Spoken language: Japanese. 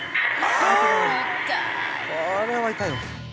これは痛いわ。